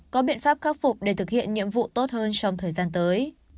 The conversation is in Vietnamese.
có biện pháp khắc phục để thực hiện nhiệm vụ tốt hơn trong thời gian tới